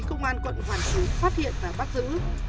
công an quận hoàn kiếm phát hiện và bắt giữ